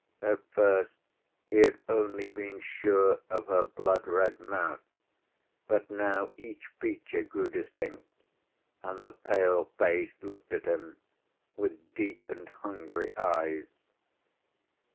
At first he had only been sure of her blood red mouth, but now each feature grew distinct, and the pale face looked at him with deep and hungry eyes.